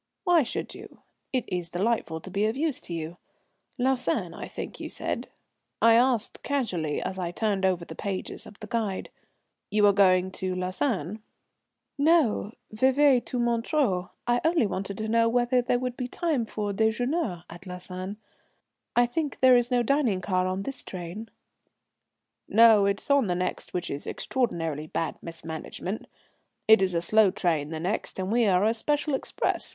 "Why should you? It is delightful to be of use to you. Lausanne I think you said?" I asked casually as I turned over the pages of the guide. "You are going to Lausanne?" "No, Vevey to Montreux. I only wanted to know whether there would be time for déjeuner at Lausanne. I think there is no dining car on this train?" "No, it is on the next, which is extraordinarily bad mismanagement. It is a slow train the next, and we are a special express.